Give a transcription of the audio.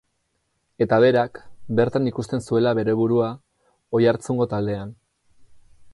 Eta berak, bertan ikusten zuela bere burua, Oiartzungo taldean.